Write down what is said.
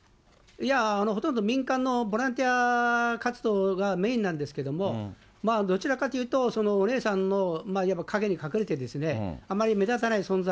いや、ほとんど民間のボランティア活動がメインなんですけども、どちらかというと、お姉さんの陰に隠れて、あまり目立たない存在。